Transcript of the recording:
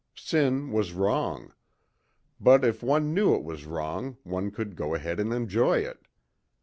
Sin was wrong. But if one knew it was wrong one could go ahead and enjoy it.